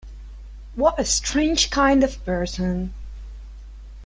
What a strange kind of person!